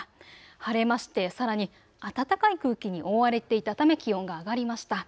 晴れましてさらに暖かい空気に覆われていたため気温が上がりました。